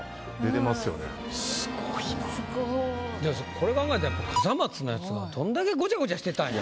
これ考えたら笠松のやつどんだけごちゃごちゃしてたんや。